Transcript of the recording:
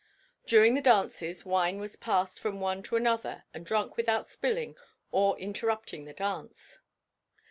During the dances wine was passed from one to another and drunk without spilling or interrupting the dance.